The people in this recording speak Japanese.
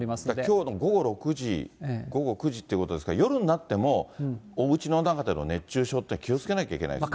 きょうの午後６時、午後９時ということですが、夜になっても、おうちの中での熱中症って気をつけなきゃいけないですね。